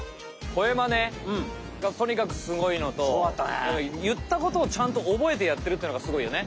声マネがとにかくすごいのといったことをちゃんと覚えてやってるっていうのがすごいよね。